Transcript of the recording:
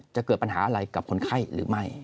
จะเกิดปัญหาอะไรกับคนไข้หรือไม่